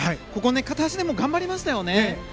ここ、片足でも頑張りましたよね。